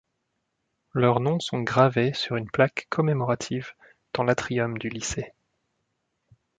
Leurs noms sont gravés sur une plaque commémorative dans l'atrium du lycée.